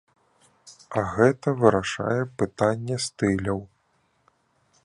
А гэта вырашае пытанне стыляў.